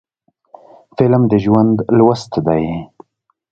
فلم د ژوند لوست دی